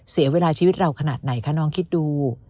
เสียเวลาชีวิตเราขนาดไหนคะน้องคิดดู